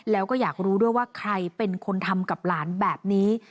แล้วก็อยากรู้ด้วยว่าใครเป็นคนทำกับหลานแบบนี้